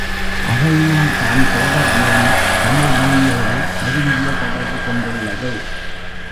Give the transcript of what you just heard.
ஆகையினால் தான் தோடர் மொழி தமிழ் மொழியோடு நெருங்கிய தொடர்பு கொண்டுள்ளது.